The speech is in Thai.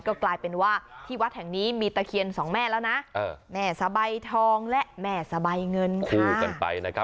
ก็กลายเป็นว่าที่วัดแห่งนี้มีตะเคียนสองแม่แล้วนะแม่สะใบทองและแม่สะใบเงินคู่กันไปนะครับ